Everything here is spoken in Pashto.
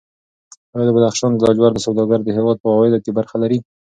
ایا د بدخشان د لاجوردو سوداګري د هېواد په عوایدو کې برخه لري؟